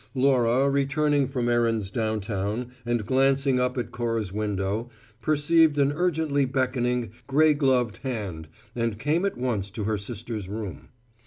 Laura, returning from errands downtown and glancing up at Cora's window, perceived an urgently beckoning, gray gloved hand, and came at once to her sister's room.